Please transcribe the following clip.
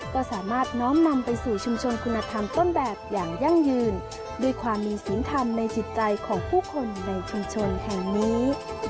ก็สามารถน้อมนำไปสู่ชุมชนคุณธรรมต้นแบบอย่างยั่งยืนด้วยความมีศีลธรรมในจิตใจของผู้คนในชุมชนแห่งนี้